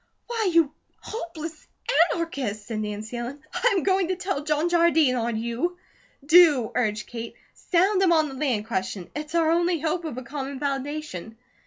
"Why, you hopeless anarchist!" said Nancy Ellen, "I am going to tell John Jardine on you." "Do!" urged Kate. "Sound him on the land question. It's our only hope of a common foundation.